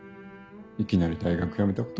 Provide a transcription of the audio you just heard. いきなり大学やめたこと？